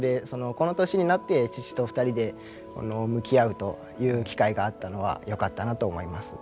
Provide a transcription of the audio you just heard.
この年になって父と２人で向き合うという機会があったのはよかったなと思います。